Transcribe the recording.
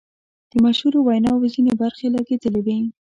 د مشهورو ویناوو ځینې برخې لګیدلې وې.